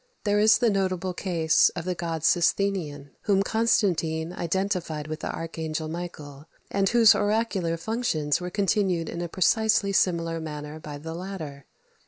There is the notable case of the god Sosthenion, whom Constantine identified with the archangel Michael, and whose oracular functions were continued in a precisely similar manner by the latter.